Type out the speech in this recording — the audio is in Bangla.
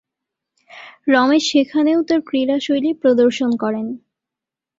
রমেশ সেখানেও তার ক্রীড়াশৈলী প্রদর্শন করেন।